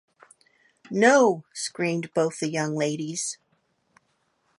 No,’ screamed both the young ladies.